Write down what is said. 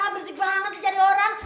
berisik banget jadi orang